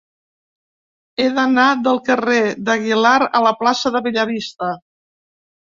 He d'anar del carrer d'Aguilar a la plaça de Bellavista.